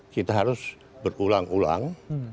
kita harus berulang ulang